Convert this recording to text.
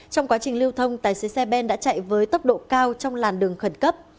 trong quá trình lưu thông tài xế xe ben đã chạy với tốc độ cao trong làn đường khẩn cấp